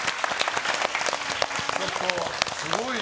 ちょっと、すごい。